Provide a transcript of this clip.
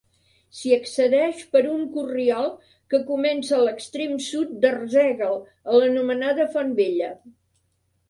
S'hi accedeix per un corriol que comença a l'extrem sud d'Arsèguel a l'anomenada Font Vella.